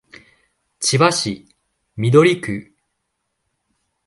千葉市緑区